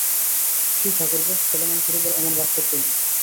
ছি ঠাকুরপো, ছেলেমানুষের উপর অমন রাগ করতে নেই।